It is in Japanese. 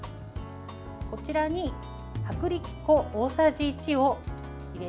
こちらに薄力粉大さじ１を入れていきます。